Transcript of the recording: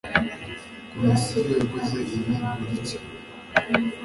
komisiyo yakoze ibi bikurikira